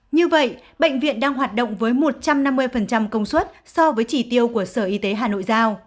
như vậy bệnh viện đang hoạt động với một trăm năm mươi công suất so với chỉ tiêu của sở y tế hà nội giao